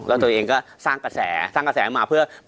และตัวเองก็สร้างกระแสมีก็เปิด